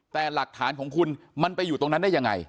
แต่หลักฐานของคุณมันไปอยู่ตรงนั้นได้ยังไง